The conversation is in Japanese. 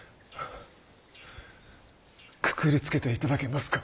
くくりつけて頂けますか？